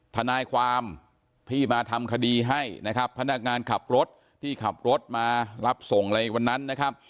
ทนายความที่มาทำคดีให้นะครับพนักงานขับรถที่ขับรถมารับส่งอะไรวันนั้นนะครับ